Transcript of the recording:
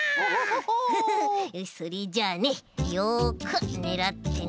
それじゃあねよくねらってね。